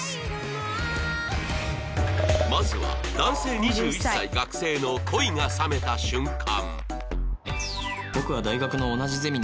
まずは男性２１歳学生の恋が冷めた瞬間